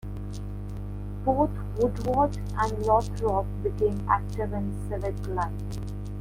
Both Woodward and Lothrop became active in civic life.